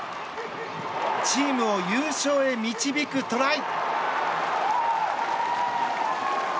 チームを優勝へ導くトライ。